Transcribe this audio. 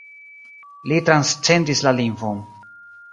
Li transcendis la lingvon.